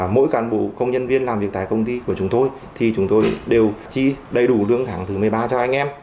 mỗi cán bộ công nhân viên làm việc tại công ty của chúng tôi thì chúng tôi đều chi đầy đủ lương tháng thứ một mươi ba cho anh em